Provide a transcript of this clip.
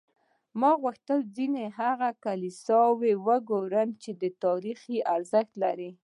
ما غوښتل ځینې هغه کلیساوې وګورم چې تاریخي ارزښت لري.